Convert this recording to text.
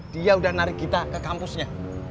dia udah narik kita ke kampusnya